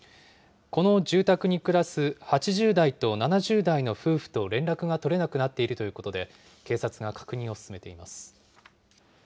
この住宅に暮らす８０代と７０代の夫婦と連絡が取れなくなっているということで、警察が確認を進めています。